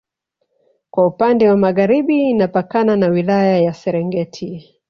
Kwa upande wa Magharibi inapakana na wilaya ya serengeti